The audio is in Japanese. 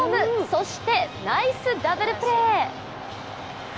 そして、ナイスダブルプレー。